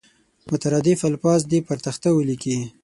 مترادف الفاظ دې پر تخته ولیکي.